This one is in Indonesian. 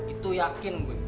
itu yakin bu